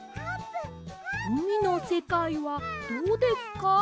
「うみのせかいはどうですか？」